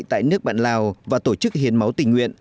tại nước bạn lào và tổ chức hiến máu tình nguyện